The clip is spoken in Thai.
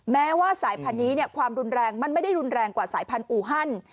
แม้ว่าสายพันธุ์นี้ความรุนแรงมันไม่ได้รุนแรงกว่าสายพันธูฮัน